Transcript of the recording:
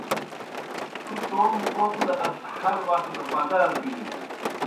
تُوْ توموْ کوْم دہ ہر وخ دہ پَدَار بِینوئے۔